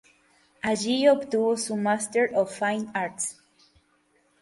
Allí obtuvo su Master of Fine Arts.